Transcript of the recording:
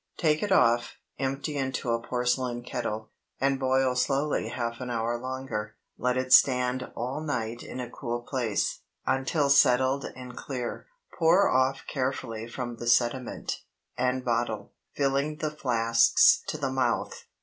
Take it off, empty into a porcelain kettle, and boil slowly half an hour longer. Let it stand all night in a cool place, until settled and clear. Pour off carefully from the sediment, and bottle, filling the flasks to the mouth.